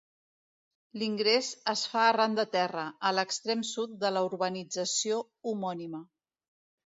L'ingrés es fa arran de terra, a l'extrem sud de la urbanització homònima.